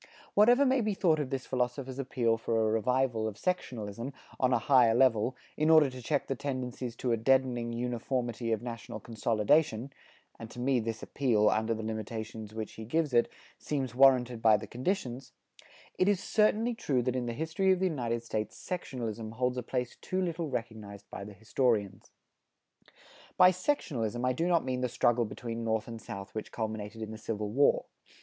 Whatever may be thought of this philosopher's appeal for a revival of sectionalism, on a higher level, in order to check the tendencies to a deadening uniformity of national consolidation (and to me this appeal, under the limitations which he gives it, seems warranted by the conditions) it is certainly true that in the history of the United States sectionalism holds a place too little recognized by the historians. By sectionalism I do not mean the struggle between North and South which culminated in the Civil War.